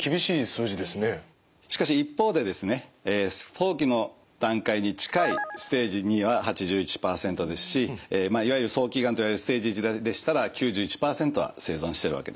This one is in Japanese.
早期の段階に近いステージ２は８１％ですしいわゆる早期がんといわれるステージ１でしたら９１％は生存してるわけです。